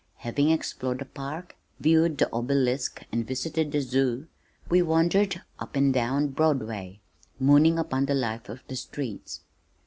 Having explored the park, viewed the obelisk and visited the zoo, we wandered up and down Broadway, mooning upon the life of the streets.